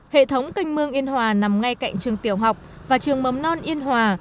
hệ thống cây mương yên hòa nằm ngay cạnh trường tiểu học và trường mấm non yên hòa